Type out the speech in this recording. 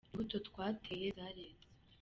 Imbuto twateye zareze.